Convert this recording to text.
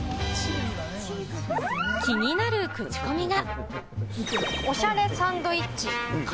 気になるクチコミが。